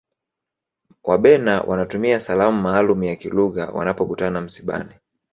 wabena wanatumia salamu maalum ya kilugha wanapokutana msibani